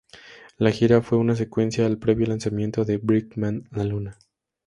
La gira fue una secuencia al previo lanzamiento de Brightman, "La Luna".